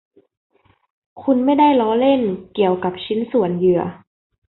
คุณไม่ได้ล้อเล่นเกี่ยวกับชิ้นส่วนเหยื่อ